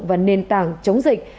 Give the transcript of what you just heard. và nền tảng chống dịch